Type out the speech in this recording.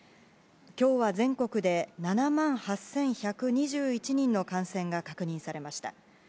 今日は全国で７万８１２１人の感染が確認されました。